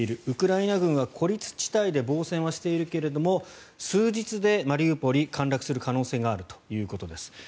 ウクライナ軍は孤立地帯で防戦はしているけども数日でマリウポリ、陥落する可能性があるということです。